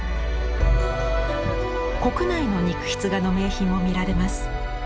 国内の肉筆画の名品も見られます。